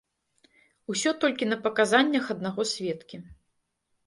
Усё толькі на паказаннях аднаго сведкі.